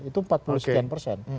itu empat puluh sekian persen